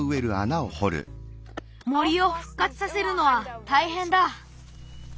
森をふっかつさせるのはたいへんだ。